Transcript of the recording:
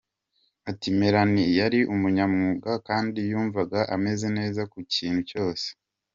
Ati “Melanie yari umunyamwuga kandi yumvaga ameze neza ku kintu cyose.